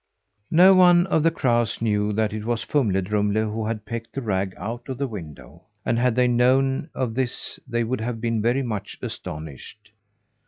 None of the crows knew that it was Fumle Drumle who had pecked the rag out of the window; and had they known of this, they would have been very much astonished.